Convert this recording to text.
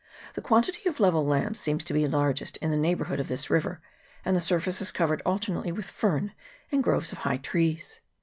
The quantity of level land seems to be largest in the neighbourhood of this river, and the surface is covered alternately with fern and groves of high trees.